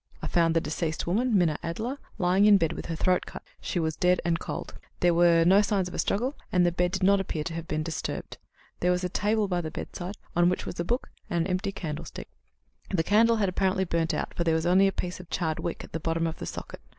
I found the deceased woman, Minna Adler, lying in bed with her throat cut. She was dead and cold. There were no signs of a struggle, and the bed did not appear to have been disturbed. There was a table by the bedside on which was a book and an empty candlestick. The candle had apparently burnt out, for there was only a piece of charred wick at the bottom of the socket.